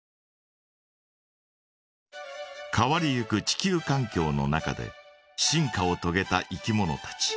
変わりゆく地球かん境の中で進化をとげたいきものたち。